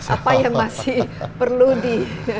apa yang masih perlu di